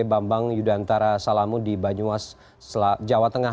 bambang yudhantara salamu di banyumas jawa tengah